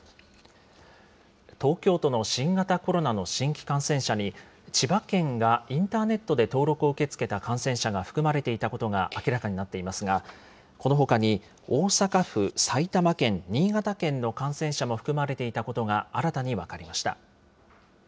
東京都の新型コロナの新規感染者に千葉県がインターネットで登録を受け付けた感染者が含まれていたことが明らかになっていますが、このほかに大阪府、埼玉県、新潟県の感染者も含まれていたことが新たに分かりました。